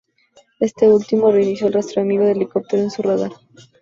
Este último reinició el rastreo amigo del helicóptero en su radar.